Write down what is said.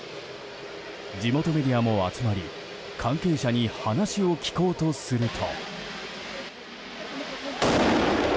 地元メディアも集まり関係者に話を聞こうとすると。